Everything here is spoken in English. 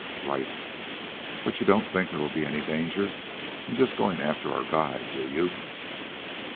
"Right." "But you don't think there will be any danger in just going after our guide, do you?"